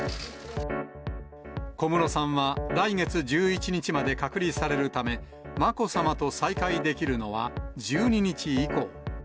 小室さんは来月１１日まで隔離されるため、まこさまと再会できるのは１２日以降。